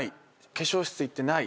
化粧室行ってない。